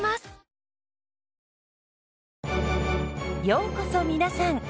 ようこそ皆さん。